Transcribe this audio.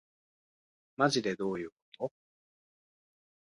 まじでどういうこと